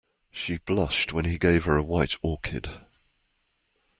She blushed when he gave her a white orchid.